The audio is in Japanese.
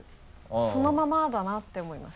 そのままだなって思います。